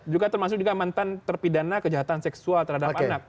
juga termasuk juga mantan terpidana kejahatan seksual terhadap anak